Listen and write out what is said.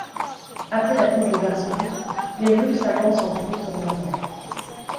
Après la prise de Varsovie, les Russes avancent en Prusse Orientale.